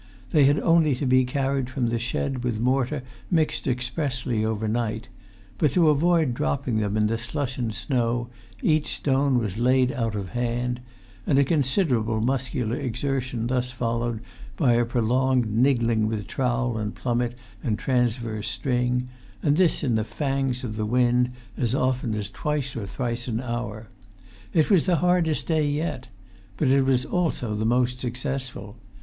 They had only to be carried[Pg 216] from the shed with mortar mixed expressly overnight; but to avoid dropping them in the slush and snow, each stone was laid out of hand; and a considerable muscular exertion thus followed by a prolonged niggling with trowel and plummet and transverse string, and this in the fangs of the wind, as often as twice or thrice an hour. It was the hardest day yet. But it was also the most successful.